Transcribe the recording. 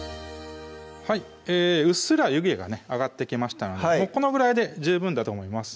はいうっすら湯気が上がってきましたのでこのぐらいで十分だと思います